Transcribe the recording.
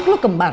anak lo kembar